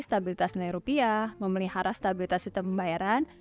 stabilitas nilai rupiah memelihara stabilitas sistem pembayaran